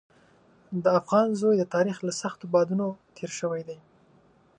د افغان زوی د تاریخ له سختو بادونو تېر شوی دی.